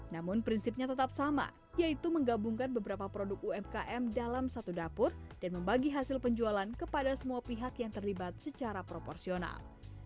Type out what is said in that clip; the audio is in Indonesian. namun prinsipnya tetap sama yaitu menggabungkan beberapa produk umkm dalam satu dapur dan membagi hasil penjualan kepada semua pihak yang terlibat secara proporsional